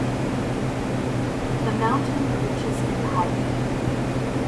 The mountain reaches in height.